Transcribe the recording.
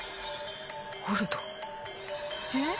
オルドえっ？